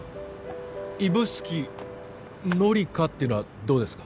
指宿乃理花っていうのはどうですか？